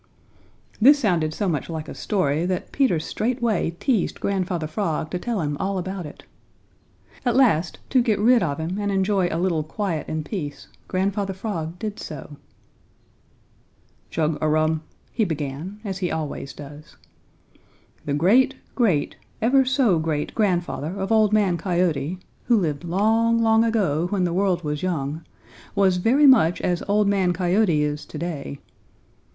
This sounded so much like a story that Peter straightway teased Grandfather Frog to tell him all about it. At last, to get rid of him and enjoy a little quiet and peace, Grandfather Frog did so. "Chug a rum!" he began, as he always does. "The great great ever so great grandfather of Old Man Coyote, who lived long, long ago when the world was young, was very much as Old Man Coyote is to day.